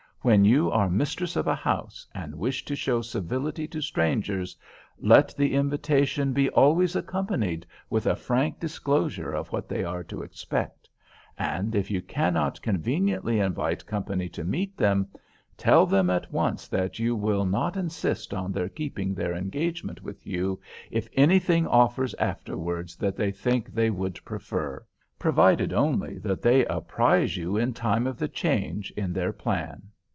When you are mistress of a house, and wish to show civility to strangers, let the invitation be always accompanied with a frank disclosure of what they are to expect. And if you cannot conveniently invite company to meet them, tell them at once that you will not insist on their keeping their engagement with you if anything offers afterwards that they think they would prefer; provided only that they apprize you in time of the change in their plan."